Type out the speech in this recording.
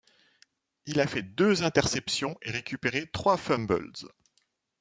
Il a fait deux interceptions et récupéré trois fumbles.